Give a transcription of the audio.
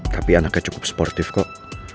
tapi anaknya cukup sportif kok